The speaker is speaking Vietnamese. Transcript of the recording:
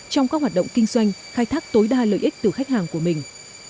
trong các hoạt động kinh doanh khai thác tối đa lợi ích từ khách hàng của mình